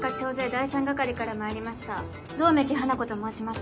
第三係からまいりました百目鬼華子と申します。